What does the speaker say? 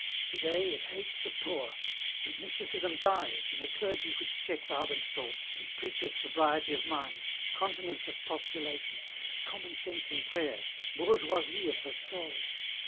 Today it hates the poor, and mysticism dies in a clergy which checks ardent thoughts and preaches sobriety of mind, continence of postulation, common sense in prayer, bourgeoisie of the soul!